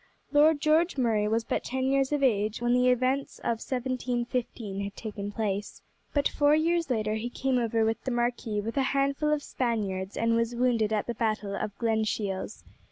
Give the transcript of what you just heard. Lord George Murray was but ten years of age when the events of 1715 had taken place, but four years later he came over with the marquis with a handful of Spaniards and was wounded at the battle of Glenshiels.